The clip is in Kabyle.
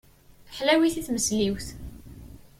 Ḥlawit i tmesliwt.